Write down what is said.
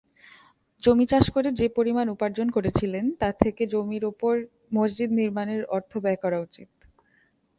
জমি চাষ করে যে পরিমাণ উপার্জন করেছিলেন তা থেকে জমির উপর মসজিদ নির্মাণের অর্থ ব্যয় করা উচিত।